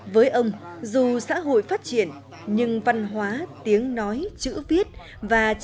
với ông dù xã hội phát triển nhưng văn hóa tiếng nói chữ viết và tiếng nói của dân tộc